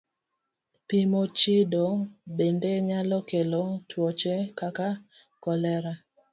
Pi mochido bende nyalo kelo tuoche kaka kolera.